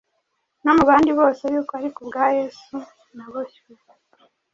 no mu bandi bose, yuko ari ku bwa Yesu naboshywe,”